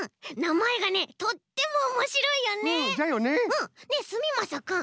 うん。ねえすみまさくん。